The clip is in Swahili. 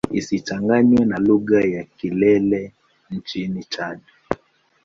Isichanganywe na lugha ya Kilele nchini Chad.